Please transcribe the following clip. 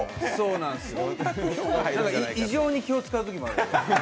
異常に気を使うときもある。